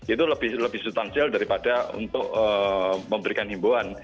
itu lebih substansial daripada untuk memberikan himbauan